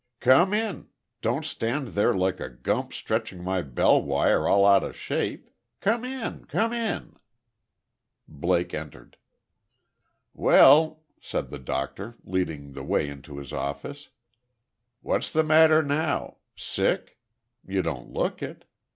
"Come in. Don't stand there like a gump stretching my bell wire all out of shape. Come in. Come in." Blake entered. "Well," said the doctor, leading the way into his office. "What's the matter now. Sick? You don't look it.